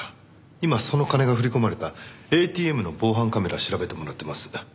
今その金が振り込まれたＡＴＭの防犯カメラ調べてもらってます。